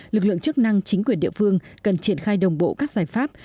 lực lượng chức năng chính quyền địa phương cần triển khai đồng bộ các giải pháp